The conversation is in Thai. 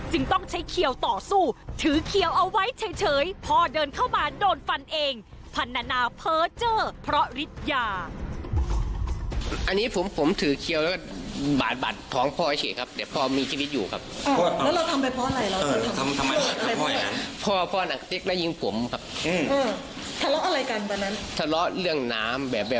ต้องใช้เขียวต่อสู้ถือเขียวเอาไว้เฉยพ่อเดินเข้ามาโดนฟันเองพันนานาเพ้อเจอเพราะฤทธิ์ยา